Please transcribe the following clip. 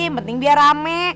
yang penting dia rame